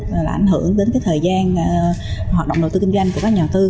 là ảnh hưởng đến cái thời gian hoạt động đầu tư kinh doanh của các nhà đầu tư